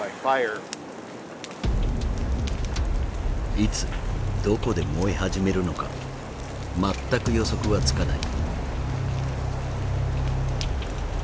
いつどこで燃え始めるのか全く予測はつかない。